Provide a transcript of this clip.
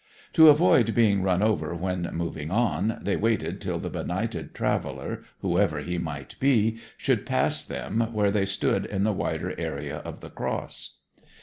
To avoid being run over when moving on, they waited till the benighted traveller, whoever he might be, should pass them where they stood in the wider area of the Cross.